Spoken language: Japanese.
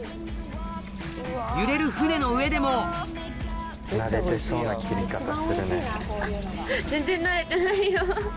揺れる船の上でも全然慣れてないよ。